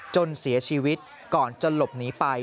จนเสียชีวิตก่อนจะหลบหนีไป